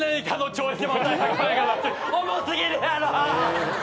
重すぎるやろ！